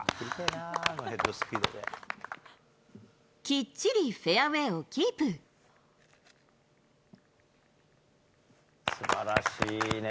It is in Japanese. きっちりフェアウエーをキーすばらしいね。